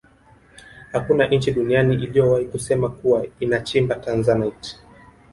hakuna nchi duniani iliyowahi kusema kuwa inachimba tanzanite